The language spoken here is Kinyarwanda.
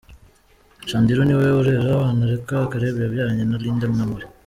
Chandiru ni we urera abana Alaka Caleb yabyaranye na Linda Namuri.